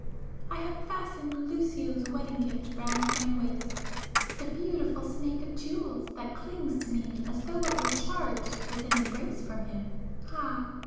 I have fastened Lucio's wedding gift round my waist,—the beautiful snake of jewels that clings to me as though it were charged with an embrace from him,—ah!